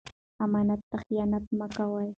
امانت ته خیانت مه کوئ.